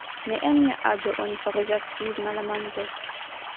Ne en nia aĝo oni fariĝas vivmalamanto.